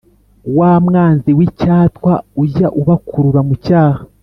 wa mwanzi w’icyatwa ujya ubakurura mu cyaha